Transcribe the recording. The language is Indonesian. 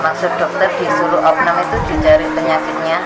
maksud dokter disuruh oknum itu dicari penyakitnya